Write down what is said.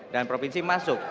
dan provinsi masuk